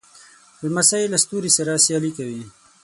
لمسی له ستوري سره سیالي کوي.